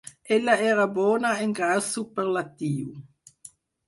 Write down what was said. Ella era bona en grau superlatiu.